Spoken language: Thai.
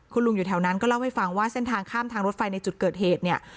คุณลุงอยู่แถวนั้นก็เล่าให้ฟังว่าเส้นทางข้ามทางรถไฟในจุดเกิดเหตุเนี่ย